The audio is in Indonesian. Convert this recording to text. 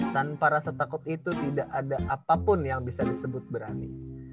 tanpa rasa takut itu tidak ada apapun yang bisa disebut berani